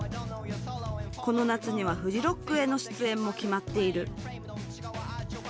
この夏にはフジロックへの出演も決まっている。